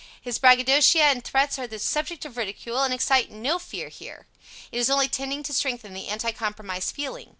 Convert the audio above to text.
His bragadocia and threats are the subject of ridicule, and excite no fear here. It is only tending to strengthen the anti compromise feeling.